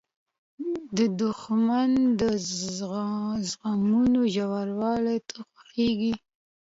دښمن د زخمونو ژوروالۍ ته خوښیږي